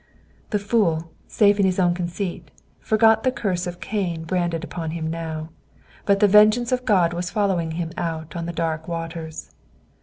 The fool, safe in his own conceit, forgot the curse of Cain branded upon him now. But the vengeance of God was following him out on the dark waters!